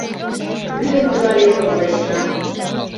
«Лӱдын кудалеве мылечна!